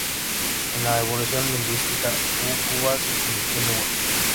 En la evolución lingüística, U-uva se convirtió en Uba.